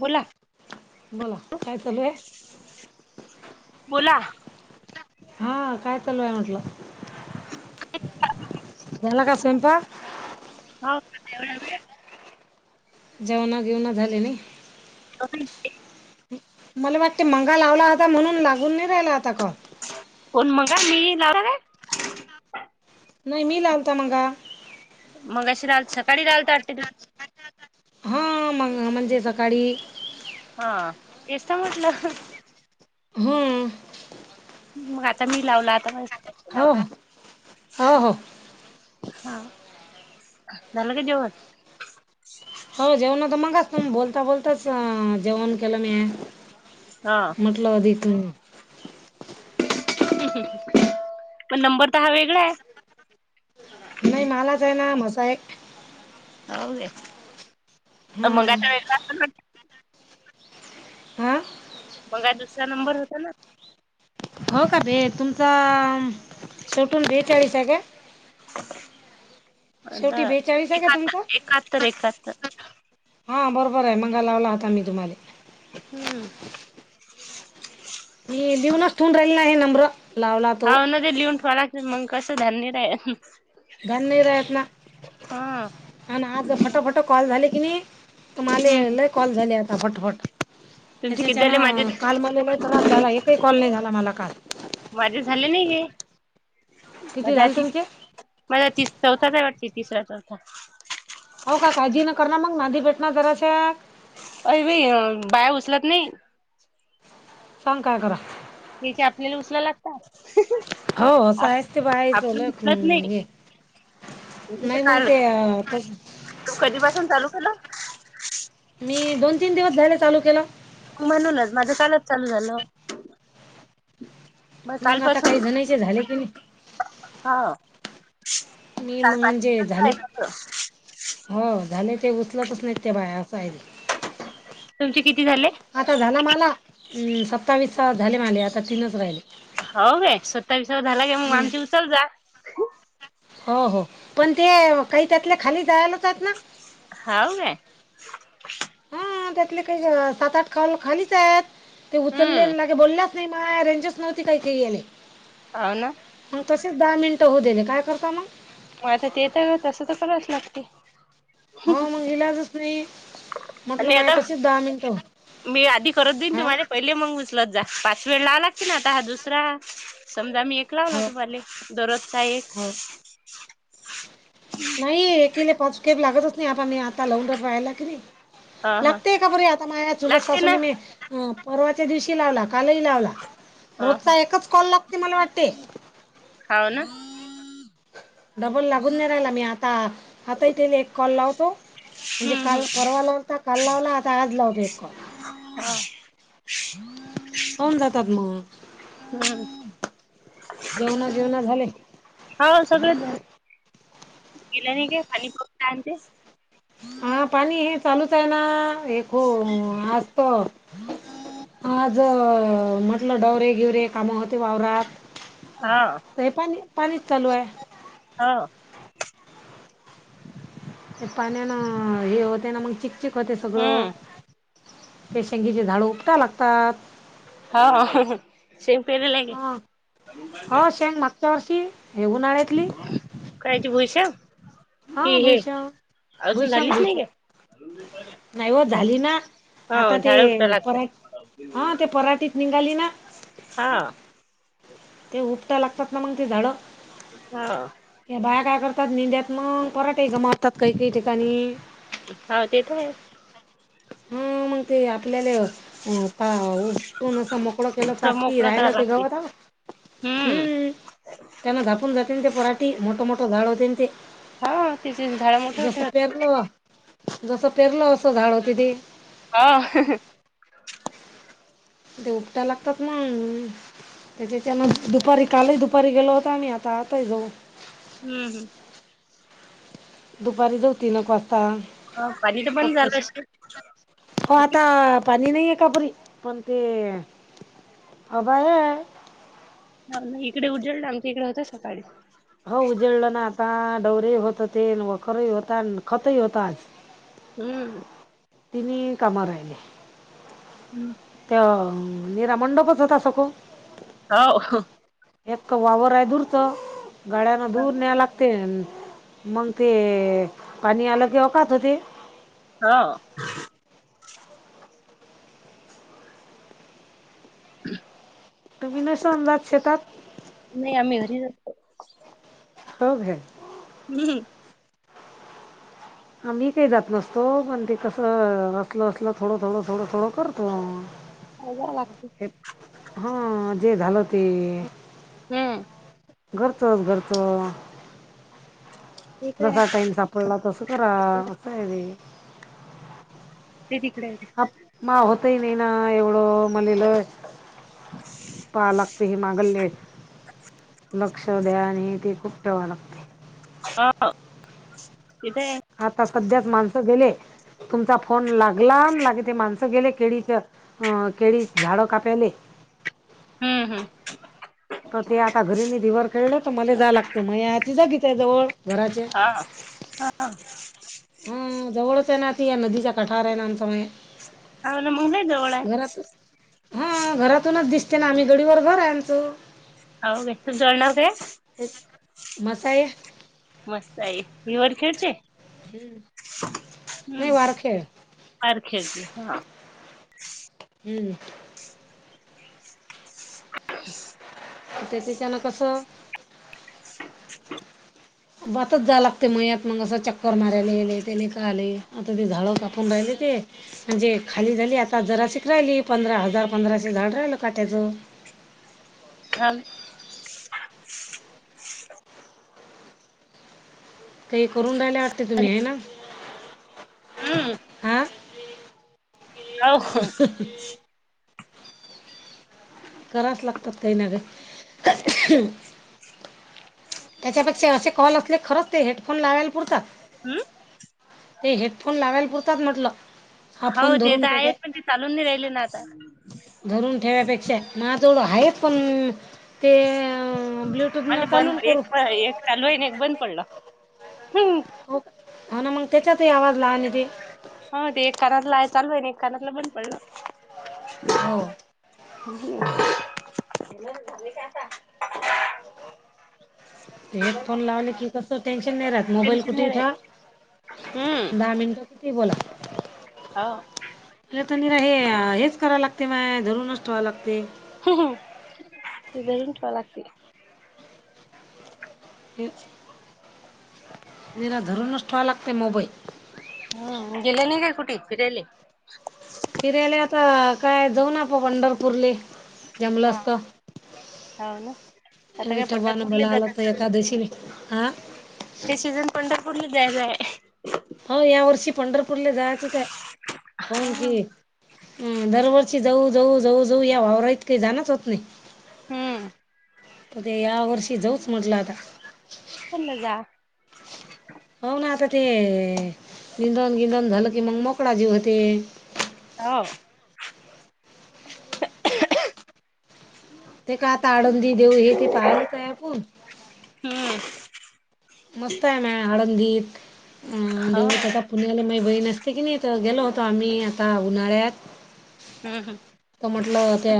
बोला बला काय चालूय बोला हा काय चालू आहे म्हटलं येला का समपा वढ जेवणा घेऊणा झाले ना [unintelligible] मला वाटते मंगा लावला होता म्हणून लागून नाही राहिला आता का अ का मी ला का नाही मी लालता मंगा मग अशी राल सकाळी रालत वाटते तुम्ही ह मग म्हणजे सकाळी हा एष्ट मोटलं, हो. मग, आता मी लावला आता म हो हो हो, हा झाल का जेवणं, हो जेवण तर मगाचू बोलता बोलताचं, जेवण केलं म्या हा म्हटलं अधी तुम्ही, पण नंबर तर हा वेगळा आहे. नाही मलाच आहे ना मजा आहे हो हं. मंगाचा वेळ का हा मग दुसरा नंबर होता ना हो का भेट तुमचा शेवटून भेटळी स का्या अ बेचाळीस आहे का तुमचा एकातर एकाहात्तर एकाहत्तर हा बरोबर आहे मगा लावला होता मी तुम्हाला हम्म मी बिऊनच थवून राहिले ना नाही नम्र हा न लिहून ठवाला मंग कस ध्य आहे धन नाही रात ना हा आणि आज फटाफट कॉल झाले की नाही तुमला हम्म लय कॉल झाले आता फटफट तुमचे किती झाले माझे त्याच्याच्यान काल मला त्रास झाला एकही कॉल नाही झाला मला काल माझे झाले नाही हेे किती झाले तुमचे [unintelligible] हो काय काळजी न कर ना मग नांदी भेट ना जराशा, अ बाई बाया उचलत नाही. सांग काय करा. तेचे आपल्याला उचला लागतात‌ नाही [unintelligible] मी तर नाही मग ते कालचं, तस तू कधीपासून चालू केलं. मी दोन तीन दिवस झाले चालू केल. म्हणूनच माझं कालच चालू झालं मग आता काही कालपासून जणांचे झाले की नाही हा मी मग म्हणजे झाली कालपासून हो झाले ते उचलतच नाही त्या बायार असय तुमची आता झाला मला अ सत्तावीस झाले माझे आता तीनच राहिले. हो काय सत्तावीसवा झाला की मग हम्म. आमचा उचलत जा हो हो पण ते काही त्यातले खाली जायला होतात ना हाव काय हा. त्यातले काही सात आठ खा खालीच आहेत ते हम्म उचललेले नाही ते बोलले असते नाही मला रेंजच नव्हती काही काही केल्या हावना दहा मिनिट होऊ दिले काय करता मग मग आता तेेत तसं तर करावच करलागते. हो मग इलाजच नाही. म्हटलं आणि माय हॅलो तसेच दहा मिनिटं हो मी आधी करत जाईन हा तुम्हाले पहिले मग उचलत जा पाच वेळ लाववा लागते ना आता हा दुसरा समजा आम्ही एक लावला हो तुम्हाला दररोज चा एक हो नाही ऐकिले पाच खेप लागताच नाही आता मी आता लवून रायला कि नाही हा हा लागतेय का बरे आता माया चुलत लागते ना सासूला मी अं परवाच्या दिवशी लावला कालही लावला हा हा रोजचा एकच कॉल लागते. मला वाटते हाव ना डबल लागून नाही राहिला मी आता. आता इथे एक कॉल लावतो. म्हणजे हम्म काल हम्म परर्वा लावला होता. काल लावला आता आज लावते एक कॉल [inaudible] होऊन जातात मग [inaudible] जेवण बिवणं झाले. हो हो सगळ झालं [inaudible] आणि परत काय म्हणते हा पाणी हे चालूच आहे ना हे कोण आज त आज म्हटलं डवरे बीवरे कामं होते वावरात हा हे पाणी पाणीच चालू आहे हो ते पाण्यान हे होते ना मग चिकचिक होते सगळं हम्म ते शेंगदेचे झाड उपटावे लागतात हा. हा शेंग पेरून राहिले हा उन्हाळेतली कायची भुईशेंग हा कि हा हे भुईशांग. अजून भुईशांग झालीच भुईशांग नाही नाही हो काय झाली ना हो आता ते झाड उपटावं लागतं परवा हा ते पराटीत नेऊ राहिली ना. हा ते उपट्या लागतात. ना मग ते झाडं. हा [inaudible] बाया काय करतात ननेत्यात मग एकदा मारतात गमावतात काही काही ठिकाणी हा. तेेत आहेच. हम. मग ते आपल्याला उटून आस मोकळ केल मोकळं रात्री मोकळं राहायला करावं तर लागते जावं लागल. हम्म. त्यांना झाकून जायला ते पोराठी मोठ मोठ झाड होतेन ते हा तिच अन झाडा मोठ जसं होतील पेरलं जसं पेरलं असं झाड होते ते. हा. ते उपटाय लागतात मग त्याच्याचान दुपारी कालही दुपारी गेलो होतो आम्ही आणि आता ही जाऊ. हम्म, हम्म. दुपारी जाऊ तीन एक वाजता हा पाणी तर बंद ता झालं असेल. हो आता. पाणी नाही आहे का बरी पण ते आभाळ आहे नाही इकडे उजाडलं आमच्या इकडे होतं सकाळी. ता डवरेही होत होते अन वखरही होत अन खतही होत आज. हम्म. तिनी काम राहिले. हम्म. त्या निरामंडपच होता सखो. हां. एक वावर आहे दुरचं गाड्याना दूर न्याय लागत ते मग ते पाणी आल की अकात होते. हां. [inaudible] तुम्ही नसन जात शेतात? नाही आम्ही घरीच असतो. हो काय. हम्म. आम्ही काही जात नसतो पण ते कसं असलं असलं थोड, थोड, थोड, थोड करतो. हा जा लागते. हां जे झालं ते. हम्म. घरचच घरच. तिथे आहे, जसा टाईम सापडला तस करा अस आहे ते. एकीकडे आहेे ते ताई नाही ना एवढं मलेल पाहाव लागतंय हे माग लेट लक्ष द्या आणि हे ते खूप ठेवा लागते. आ [inaudible] आता सध्याच माणसं गेले तुमचा फोन लागला अन लागे ते माणस स गेले केळीच अ केळी झाड काप्याले. हम्म हम्म. तर ते आता घरी दिवर खेळले तर मला जाय लागते मयी आजी जागीच आहे जवळ. घराच्या हां हां. उम्म जवळच आहे ना ती या नदीचा कठार आहे ना आमच माहेर. हाव ना मग लय जवळ आहे. घरातून हां घरातूनच दिस ते ना आम्ही गडीवर घर आहे आमचं. होव काय तुमचं आडनाव काय? मस्ताय. मस्ताई इवर खेड चे? नाही हम्म वारखेळ सारखेच हां. हम्म. [inaudible] त्याच्याचानं कसं? भातच जाया लागते मयात मग असं चक्कर मारायला गले त्याने का आले आता ते झाडं कापून राहिले. ते म्हणजे खाली झाली आता जरासिक राहिली पंधरा हजार पंधराशे झाड राहिल काट्याच. [inaudible] हम्म. काही करून राहायला वाटते तुम्ही आहे ना? हा हा [unintelligible] करावच लागतात काही ना काही त्यांच्यापेक्षा असे कॉल असले खरंच ते हेडफोन लावायला पुरतात हम्म. हे हेडफोन लावायला पुरतात म्हटलं हा हो फोन ते धरून तर ठेक आहेत पण ते चालून नाही राहिले ना आता. धरून ठेव्यापेक्षा जवळ हाय पण ते ब्ल्युटूथ ना मला चालू बंद एक करू प- एक चालू आहे आणि एक बंद पडलं. हम्म. हो हो ना मग त्यांच्यातही आवाज लाहन आणि येते हो ते एक कानातलं आहे चालू आहे ना एक कानातलं बंद पडलं हो [unintelligible] हेडफोन लावले की कसं टेन्शन नाही राहत मोबाईल टेन्शन नाही कुठेही राहत. ठेवा हम्म. दहा मिनटं किती बोला हा. मला तर निरा हे हेच करावं लागते माय धरूनच ठेवा लागते धरून ठेवा लागते जला धरूनच ठेवाव लागते मोबईल हम्म गेले नाही काय कुठे फिरायले? फिरायला आता काय जाऊ ना आपण पंढरपूरले जमलं हा. असते हो ना. आता काय विठोबाने पंढरपूरलाच बोलावलं जातात तर सगळे. एकादशीला हा हे सीझन पंढरपूरला जायचं आहे हो या वर्षी पंढरपूरला जायचंच हा. अ दरवर्षी जाऊ जाऊ जाऊ जाऊ या वावरा इ जायणे होत नाही हम्म. त ते या वर्षी जाऊच म्हटलं आता चल जा हो ना आता ते निंदून गिंदण झालं की मग मोकळा जीव होतो ह ते का आळंदी देऊ हे ते पाहालाच आहे आपण हो. मस्त आहे माया आळंदी अ हो. देहू आता पुण्याला माझ बहीण असते की नाही तर गेलो होतो तो आम्ही आता उन्हाळ्यात हम्म हम्म. त म्हटलं त्या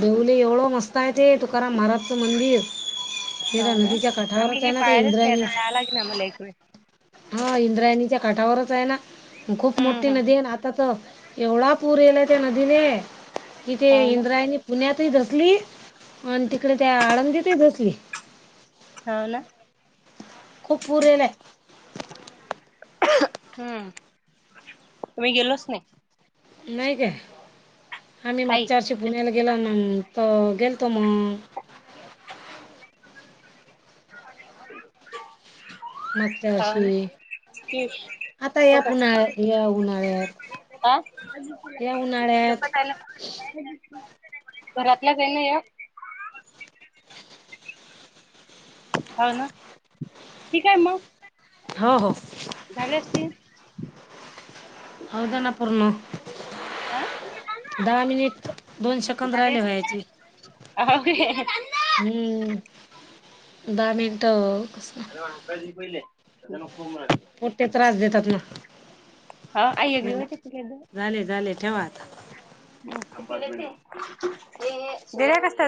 देहूला एवढं मस्त आहे ते तुकाराम महाराजचं मंदिर निरा हो ना. नदीच्या आम्ही काठावरच काही आहे ना ते पाहिलंच नाही इंद्रयाणी आता जावं लागेल आम्हाला एक वेळ. हा इंद्रायणीच्या काठावरच आहे ना खूप हम्म मोठी हम्म. नदी आहे आता तर एवढा पूर येला त्या नदीने जिथे हो ना. इंद्रायणी पुण्यात तसली आणि तिकडे त्या आळंदी दसली हो ना खूप पुर यायला आलाय हम्म गेलोच नाही नाही काय आम्ही आई. मागच्या वर्षी पुण्याला गेलो तर गेलतो मग [unintelligible] मागच्या हो वर्षी ना. आ आता या उन्हाळ या उन्हाळ्यात [unintelligible] या उन्हाळ्यात घरातलंच नाही या हो ना ठीक आहे मग हो हो झाले असतील होऊ द्या ना पर्णू हा दहा मिनिट दोन सेकंद राहिले व्हायाचे अ दहा मिनिट कस अरे म हकाळी पहिले खूप मज कोण ते त्रास देतात ना हा आई हे झाले झाले झाले ठेवा आता दिर्या क असतात